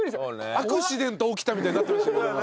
アクシデント起きたみたいになってましたけど今。